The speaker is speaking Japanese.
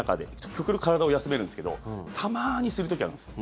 極力、体を休めるんすけどたまに、する時あるんです。